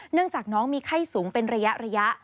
เนื่องจากน้องมีไข้สูงเป็นระยะ